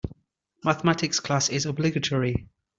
Mathematics class is obligatory.